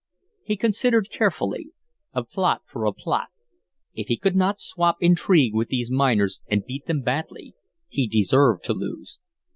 He considered carefully. A plot for a plot. If he could not swap intrigue with these miners and beat them badly, he deserved to lose.